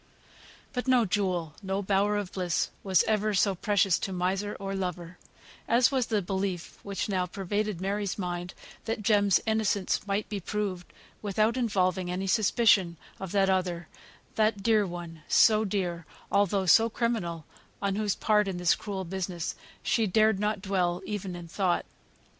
But no jewel, no bower of bliss was ever so precious to miser or lover as was the belief which now pervaded Mary's mind, that Jem's innocence might be proved, without involving any suspicion of that other that dear one, so dear, although so criminal on whose part in this cruel business she dared not dwell even in thought.